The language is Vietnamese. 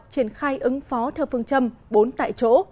triển khai ứng phó theo phương châm bốn tại chỗ